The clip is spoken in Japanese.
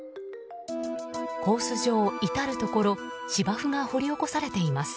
コース上、至るところ芝生が掘り起こされています。